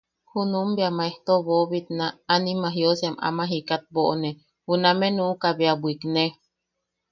Junum bea maejto boʼobitna, anima jiosiam ama jikat boʼone, junameʼe nukaʼa bea bwikne.